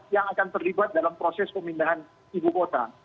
yang akan terlibat dalam proses pemindahan ibu kota